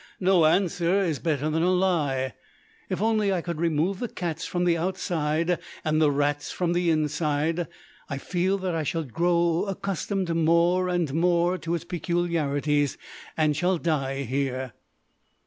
No answer is better than a lie. If only I could remove the cats from the outside and the rats from the inside. I feel that I shall grow accustomed more and more to its peculiarities, and shall die here.